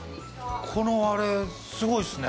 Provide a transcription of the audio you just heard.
このあれ、すごいですね。